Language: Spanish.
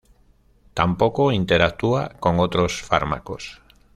Tampoco interactúa con otros fármacos.